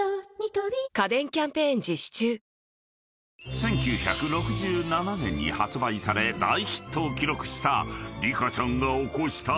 ［１９６７年に発売され大ヒットを記録した］